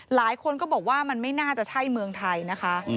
หลายคนก็บอกว่ามันไม่น่าจะใช่เมืองไทยนะคะ